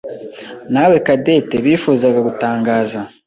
nawe Cadette bifuzaga gutangaza.